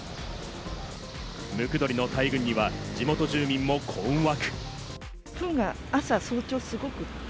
ムクドリの大群には地元住民も困惑。